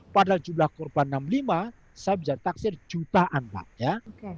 padahal jumlah korban enam puluh lima saya bisa taksir jutaan pak ya